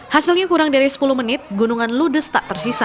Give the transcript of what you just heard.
hasilnya kurang dari sepuluh menit gunungan ludes tak tersisa